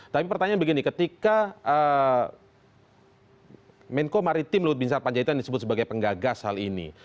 tapi pertanyaan begini ketika menko maritim lutbinsar panjaitan disebut sebagai penggagas hal ini